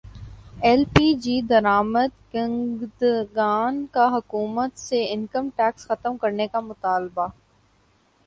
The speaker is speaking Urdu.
ایل پی جی درامد کنندگان کا حکومت سے انکم ٹیکس ختم کرنے کا مطالبہ